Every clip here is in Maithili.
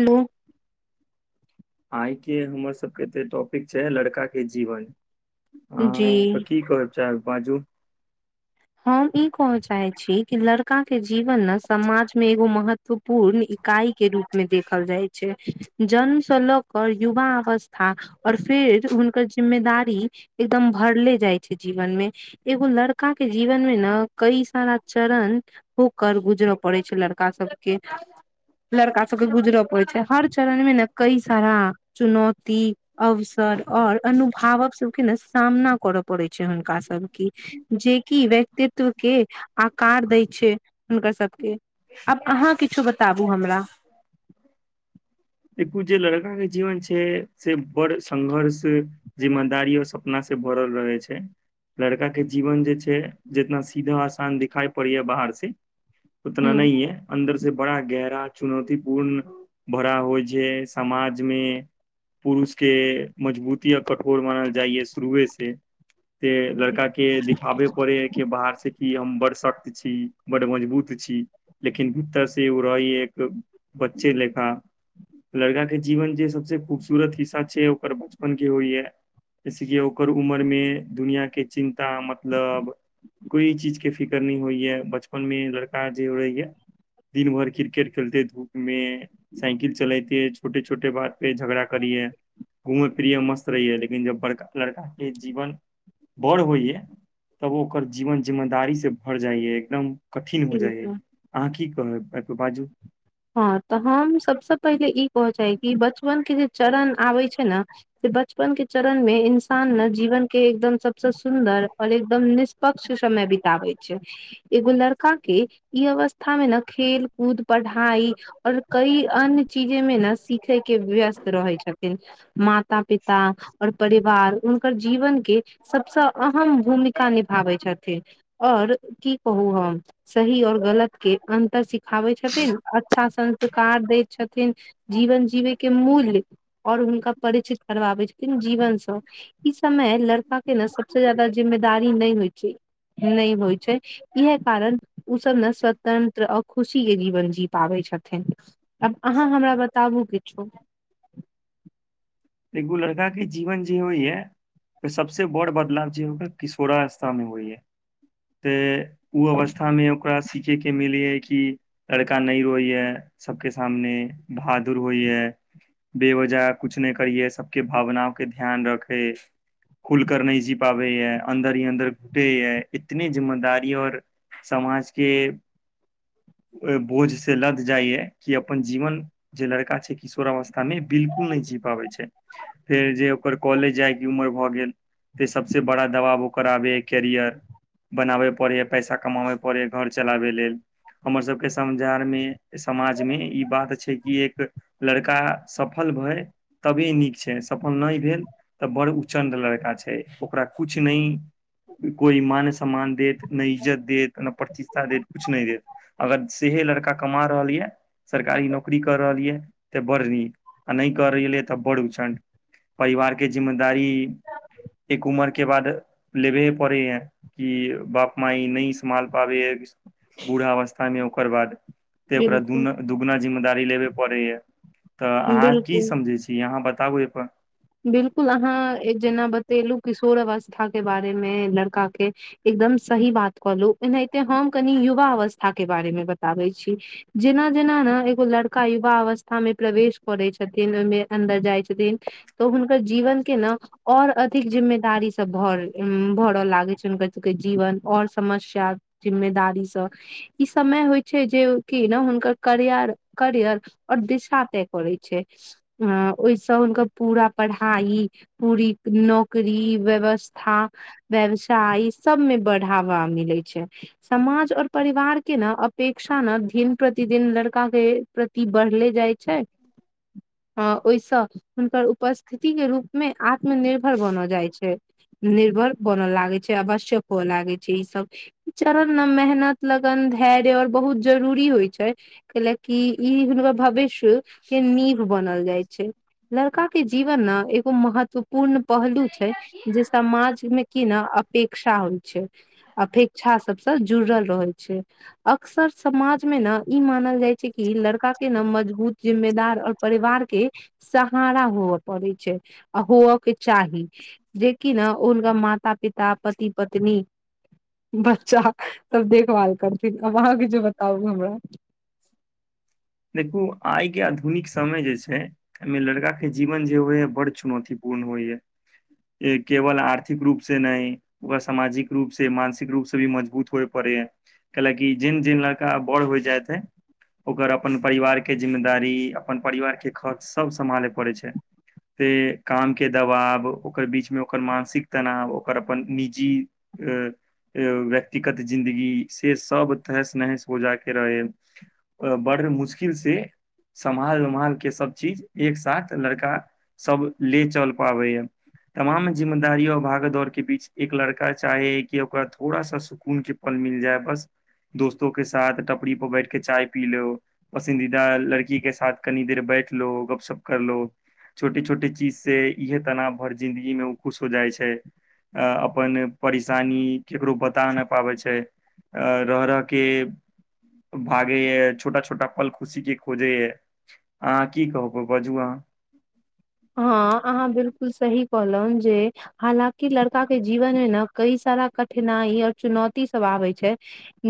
हेलो आइके हमर सबके तऽ टॉपिक छै लड़का के जीवन जी हँ तऽ की कर चार बाजू [inaudible] हम ई कहऽ चाहे छी कि लड़का के जीवन ने समाज में एगो महत्वपूर्ण इकाई के रूपमे देखल जाइत छै जन्मसँ लऽ क युवा अवस्था ओर फेर हु जिम्मेदारी एकदम भरले जाइ छै जीवन मे एगो लड़का के जीवन मे ने कई सारा चरण होकर गुजरऽ पड़े छै लड़का सबके लड़का सबके गुजरो पड़ छै हर चरणमे ने कई सारा चुनौती अवसर ओर अनुभावक सबके ने सामना करऽ पड़ै छै हुनका सब के जे की व्यक्तित्व के आकार दै छै हुनकर सबके आब अहाँ किछो बताबू हमरा [inaudible] एकू जे लड़का के जीवन छै से बड़ संघर्ष जिमदारी सपना भरल रहै छै लड़काके जीवन जे छै जितना सीधा आसान दिखाइ पड़ैए बाहरसँ उतना नहि है अन्दर से बड़ा गहरा चुनौतीपूर्ण भरा हो जे समाजमे पुरुषके मजबूति कठोर मानल जाए शुरुए से से लड़का के दिखाबे पड़ै है कि बाहर से कि हम बड़ सक्त छी बड़ मजबूत छी लेकिन भीतरसँ ओ रहै एकदम बच्चे लेखा लड़काके जीवन जे सबसे खूबसूरत हिस्सा छै ओकर बचपन जे होइ है जैसेक कि ओकर उमरमे दुनिआँके चिन्ता मतलब कोइ चीजके फिकर नहि होइए बचपनमे लड़का जे होइए दिन भर क्रिकेट खेलते धूप मे साइकिल चलैते छोटे छोटे बात पे झगड़ा करैया घुमै फिरै मस्त रहैय लेकिन जब बड़का लड़काके जीवन बड़ होइए तब ओकर जीवन जिम्मेदारी से भर जाइए एकदम कठिन हो जाइए बिलकुल अहाँ की कहब एहिप बाजू हँ तऽ हम सभसँ पहिले ई कह चाहै छी बचपनके जे चरण आबै छै ने से बचपन के चरण मे इन्सान ने जीवन के एकदम सबस सुन्दर और एकदम निष्पक्ष समय बितबे छै एगो लड़का के ई इ अवस्था मे ने खेल कूद पढ़ाई और कई अन्य चीजे मे ने सिखै के व्यस्त रहै छथिन माता पिता और परिवार हुनकर जीवनके सबसँ अहम भूमिका निभाबै छथिन और की कहू हम सही और गलत के अंतर सिखाबै छथिन अच्छा संस्कार दय छथिन जीवन जीवे के मूल्य और हुनका परिचित करबा आबै जीवन सँ ई समय लड़का के ने सबसे जादा जिम्मेदारी नहि होइ छै नहि होइ छै इएहे कारण ओ सब ने स्वतंत्र और खुशी के जीवन जीत पाबै छथिन तऽ आहाँ हमरा बताबु किछो एगो लड़काे के जीवन जे होइए त सबसे बड़ बदलाव जे ओकर किशोरावस्थामे होइ है त ओ अवस्थामे अब ओकरा सीखे के मिले या कि लड़का नै होइए सब के सामने बहादुर होइ य ये बेवजह कुछ नहि करियै सबके भावना के ध्यान रखे खुल कर नहि जी पाबै है अन्दर ही अन्दर घुटै ये इतनी जिम्मेदारी और समाज के बोझ से लद जाय य कि अपन जीवन जे लड़का छै किशोरावस्था मे बिल्कुल नै जी पाबै छै फेर जे ओकर कॉलेज जायके उमर भऽ गेल फेर सबसे बड़ा दबाव ओ कराबे है कैरियर बनाबय पड़ै है पैसा कमाबय पड़ै है घर चलाबे लेल हमर सबके समजार मे समाज मे ई बात छै कि एक लड़का सफल भए तबिहे नीक छै सफल नहि भेल तऽ बड़ उच्चण्ड लड़का छै ओकरा कुछ नहि कोइ मान सम्मान देत नहि इज्जत देत न प्रतिष्ठा देत कुछ नहि देत अगर से जे लड़का कमा रहल यऽ सरकारी नौकरी करहल यऽ तऽ बड़ नीक आ नहि करै ले तो बड़ उचंड परिवारके जिम्मेदारी एक उमर के बाद लेबे पड़ो हैं कि बाप माई नहि सम्भाल पाबै है बूढ़ावस्थामे ओकर बाद ते ओकरा दु बिलकुल दुगुना जिम्मेदारी लेबे पड़ोय तऽ अहाँ की समझै छी अहाँ बताबु अइ पर बिलकुल अहाँ एक जेना बतेलू किशोरावस्था था के बारे मे लड़का के एकदम सही बात कहलू एनाहिते हम कनि युवा अवस्था के बारे मे बताबै छी जेना जेना ने एगो लड़का युवा अवस्था मे प्रवेश करै छथिन जेना बेदम भ जाय छथिन तऽ हुनकर जीवन के ने और अधिक जिम्मेदारी सब भ भरऽ लागै छै हुनकर जीवन और समस्या जिम्मेदारी सब ई समय होइ छै जे कि ने हुनकर करियर करियर ओर दिशा तय करै छै अ ओहिसँ हुनकर पूरा पढ़ाइ, पूरी नौकरी। व्यवस्था, व्यवसाय सबमे बढ़ावा मिलैय छैय समाज आओर परिवार के न अपेक्षा न दिन-प्रतिदिन लड़का के प्रति बढ़ले जाइ छैय, हँ ओहिसँ उपस्थिति के रूपमे आत्मनिर्भर बनए जाइ छैय। निर्भर बन लागैय छैय आवश्यक हुए लागैय छैय इ सब इ चरण न मेहनत, लगन, धैर्य, आओर बहुत जरूरी होइ छैय कयले की इ हुनकर भविष्य के नीव बनल जाइ छैय लड़का के जीवन न एगो महत्व- पूर्ण पहलू छैय, जे समाजमे की न अपेक्षा होइ छैय, अपेक्षा सब जुड़ल रहैय छैय। अक्सर समाजमे न इ मानल जाइ छैय की लड़का के न मजबूत, जिम्मेदार और परिवार के सहारा होवय पड़ैय छैय, आ होवय के चाही जेकि न ओ हुनका माता- पिता, पति-पत्नी, बच्चा, सब देखभाल करथिन अब अहाँके जे बताउ हमरा [inaudible] देखु आइके आधुनिक समय जे छैय एहिमे लड़का के जीवन जे होइ हए बड़ चुनौती- पूर्ण होइए। केवल आर्थिक रूप से नै, ओकरा सामाजिक रूप से, मानसिक रूप से भी मजबूत होए पड़तै कयले की जेना-जेना लड़का बड़ होयत जेतए ओकर अपन परिवारके जिम्मेदारी, अपन परिवारके खर्च सब सम्हालैय पड़ैय छैय। फेर कामके दबाव, ओकर बीचमे ओकर मानसिक तनाव, ओकर अपन निजी ऐ व्यक्तिगत जिंन्दगी, से सब तहस-नहस हो जाके रहैय हए बड़ मुश्किलसँ समहाल-उमहाल के सब चीज एक साथ लड़का सब ले चल पाबैए, तमाम जिम्मेदारी ओ भागदौड़ के बीच एक लड़का चाहए हए कि ओकरा थोड़ा सा सुकून के पल मिल जाए, बस दोस्तो के साथ टपरी पर बैठके चाय पी लो, पसन्दीदा लड़की के साथ कनी देर बैठ लो, गपशप करलो, छोटे-छोटे चीजसँ इएह तनाव भरल जिंन्दगीमे ओ खुश हो जाइ छैय। अपन परेशानी केकरो बता नै पाबैय छैय। रह-रह के भागैय हय छोटा- छोटा पल खुशी के खोजए ये अहाँ की कहबै बाजू अहाँ, हँ अहाँ बिलकुल सही कहलौं जे हालांकि लड़का के जीबनमे न कइ- सारा कठिनाइ ओ चुनौती सब आबैय छै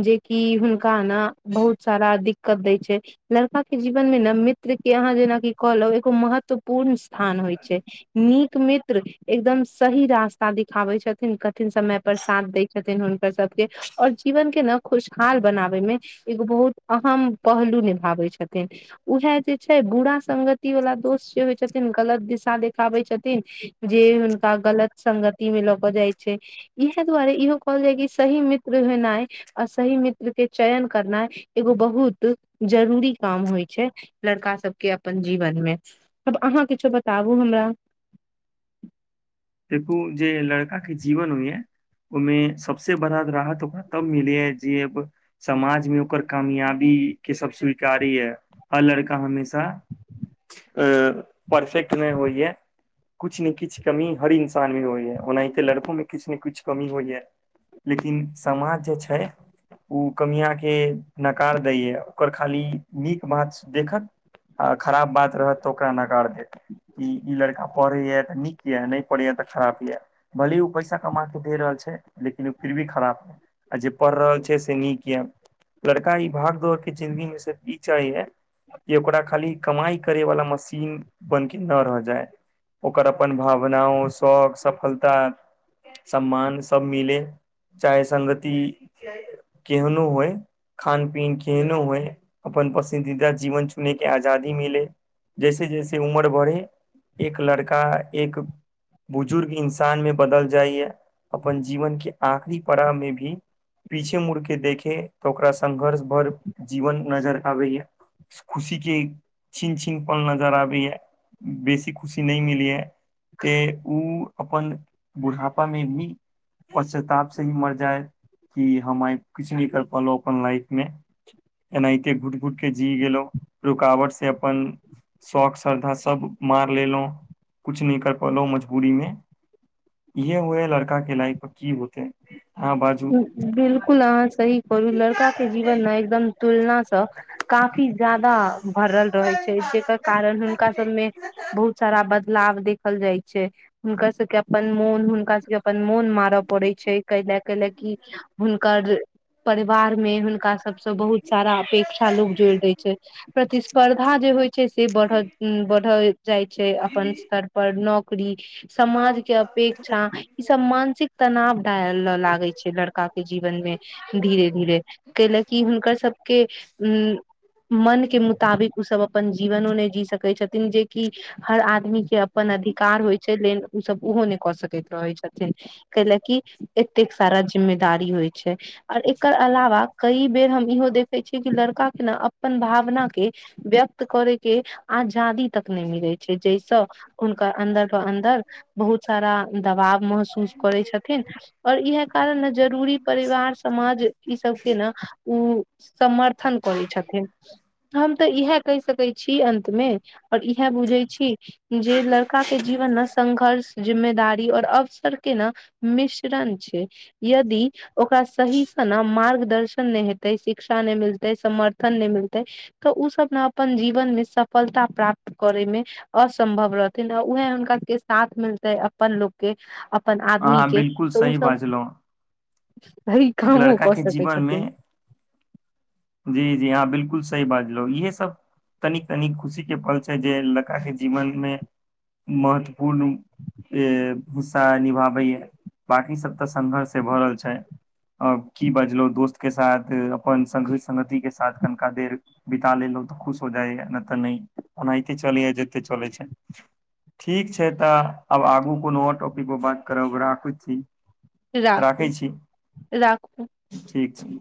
जेकि हुनका न बहुत सारा दिक्कत दैय छैय, लड़का के जीबनमे न मित्रके अहाँ जेनाकि कहलौं एगो महत्वपूर्ण स्थान होइ छै नीक मित्र एकदम सही रास्ता दिखाबै छथिन कठिन समय पर साथ दैय छथिन हुनकर सबके आओर जीवन के न खुशहाल बनाबएमे एगो बहुत अहम पहलू निभाबैय छथिन। इएह जे छै बुरा संगति बाला दोस्त जे होइ छथिन गलत दिशा देखाबैए छथिन जे हुनका गलत संगतिमे लऽ कऽ जाइ छै। इएह दुआरे इहो कहल जाय कि सही मित्र भेनाइ आ सही मित्र के चयन करनाइ एगो बहुत जरूरी काम होइ छै लड़का सबके अपन जीबनमे आब अहाँ किछु बताबु हमरा। देखु जे लड़काके जीबन होइए ओहिमे सबसे बड़ा राहत ओकरा तब मिलैये जब समाजमे ओकर कामयाबी के सब स्वीकारैये आ लड़का हमेशा परफेक्ट नै होइए किछु-नै-किछु कमी हर इन्सानमे होइए ओनाहिते लड़कोमे किछु-नै-किछु कमी होइए। लेकिन समाज जे छै उ कमियांके नकार दैए, ओकर खाली नीक बात सु देखत। आ खराब बात रहत तऽ ओकरा नकार देत की ई लड़का पढ़ैये तऽ नीक ये नहि तऽ खराप ये भलही ओ पैसा कमा के दे रहल छै लेकिन ओ फिर भी खराप है आ जे प रहल छै से नीक ये लड़का ई भागदौड़ के जिंन्दगी मे सीर्फ ई चाहैय ये कि ओकरा खाली कमाइ करै वाला मशीन बन के नहि रह जाइ ओकर अपन भावना आओर शौक सफलता सम्मान सब मिले चाहे संगति केहनो होइ खान पीन केहनो होइ अपन पसन्दीदा जीवन चुने के आजादी मिले जैसे जैसे उमर बढ़े एक लड़का एक बुजुर्ग इन्सान मे बदल जाइए अपन जीवन के आखरी पड़ाव मे भी पीछे मुड़ के देखे तऽ ओकरा संघर्ष भर जीवन नजर आबैए खुशी के छिन छिन पल नजर आबैये बेसी खुशी नहि मिलैये तेँ उ अपन बुढ़ापा मे भी पश्चाताप से ही मर जायत कि हम आइ किछ नहि कर पलहु अपन लाइफ मे एनाहिते घुटि घुट क जी गेलहु रुकावट से अपन शौक श्रद्धा सब मार लेलो कुछ न कर पलो मजबु बूरी मे इहे हुए लड़का के लाइफ पर की होतेै बिलकुल अहाँ सही कहलू लड़का के जीवन न एकदम तुलनासँ काफी जादा भरल रहै छै जेकर कारण हुनका सबमे बहुत सारा बद लाभ देखल जाइ छै हुनकर सबके अप अपन मोन हुनका सबके अपन मोन मारऽ पड़ै छै कैले कि हुनकर परिवारमे हुनका सब बहुत सारा अपेक्षा लोग जोड़ी दै छै प्रतिस्पर्धा जे होइ छै से बढ़ उं बढ़ ढ़ि जाइ छै अपन स्तर पर नौक करी समाज के अपेक्षा ई सब मानसिक तनाव डाल लागै दै छै लड़का के जीवन मे धीरे धीरे कैले की हुनकर सबके उं मन के मुताबिक उसभ अपन जीवनो नहि जी सकै छथिन जेकि हर आदमी मीके अपन अधिकार होइ छै लेन ओ सब ओहो नहि कऽ सकैत रहै छथिन कैले की एतेक सारा जिम्मेदारी होइ छै छै आओर एकर अलावा कई बेर हम इहो देखै छियै कि लड़का के न अपन भावना के व्यक्त करै के आजा इ तक नहि मिलै छै जहिस हुनका अन्दर त अन्दर बहुत सारा दबाव महसूस करै छथिन इहे कारण ने जरूरी परिवार समाज ई सब के ने ओ समर्थन क छथिन हम तऽ इएह कहि सकै छी अन्त मे और इह बुझे छी जे लड़का के जीवन मे संघर्ष जिम्मेदारी और अवसर के न मिश छै यदि ओकरा सहीसँ ने मार्गदर्शन नहि हेते शिक्षा नहि मिलतै समर्थन नहि मिलतै तऽ ओ सब ने अपन जीवन मे सफलता प्राप्त करैय मे असम्भव रहथिन आ उएहे हुनका सबके साथ मिलतै अपन लोकके अपन आदमी अहाँ के बिलकुल ओ सही सब बाजलहुँ सही एक कामो लड़का कऽ के सकै जीवन मे छथिन जी जी हँ बिलकुल सही बाजलो येह सब तनी तनी खुशी के पल छै जे लड़का के जीवन मे महत्वपूर्ण ए हिस्सा निभाबैए बाँकि सभ तऽ संघर्ष भ रहल छै अ की बजलहु दोस्त के साथ अपन संगी संगगति के साथ कनिका देर बिता लेलहु खुश हो जाइ नहि तऽ न ओनाहिते चलैय जेत चलै छै ठीक छै तऽ आब आगू कोनो टॉपिक पर बात करब राखै छी राखू राखू एक छन